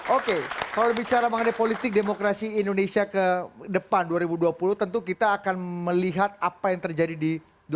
oke kalau bicara mengenai politik demokrasi indonesia ke depan dua ribu dua puluh tentu kita akan melihat apa yang terjadi di dua ribu dua puluh